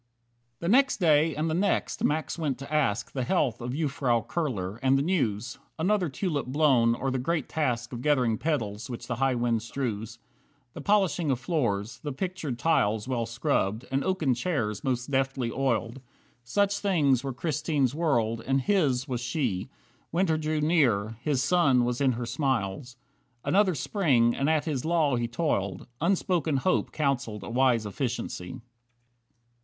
35 The next day, and the next, Max went to ask The health of Jufvrouw Kurler, and the news: Another tulip blown, or the great task Of gathering petals which the high wind strews; The polishing of floors, the pictured tiles Well scrubbed, and oaken chairs most deftly oiled. Such things were Christine's world, and his was she Winter drew near, his sun was in her smiles. Another Spring, and at his law he toiled, Unspoken hope counselled a wise efficiency.